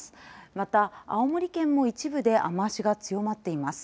また青森県も一部で雨足が強まっています。